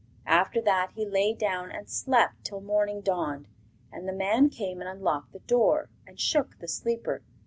After that he lay down and slept till morning dawned, and the man came and unlocked the door and shook the sleeper.